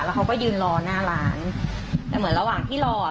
แล้วเขาก็ยืนรอหน้าร้านแต่เหมือนระหว่างที่รออ่ะ